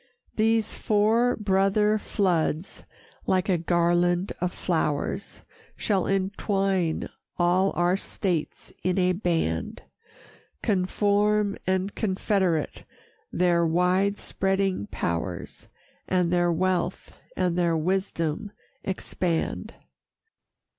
These four brother floods, like a garland of flowers, Shall entwine all our states in a band Conform and confederate their wide spreading powers, And their wealth and their wisdom expand.